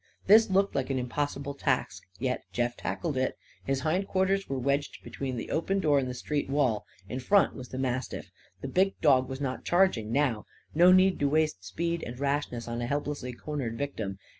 This looked like an impossible task, yet Jeff tackled it. His hind quarters were wedged between the open door and the street wall. In front was the mastiff. The big dog was not charging now. No need to waste speed and rashness on a helplessly cornered victim.